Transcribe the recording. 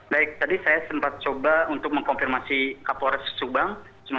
baik tadi saya sempat coba untuk mengkonfirmasi kapolres subang